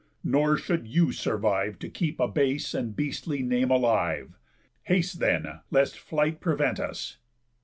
Nor should you survive To keep a base and beastly name alive. Haste, then, lest flight prevent us."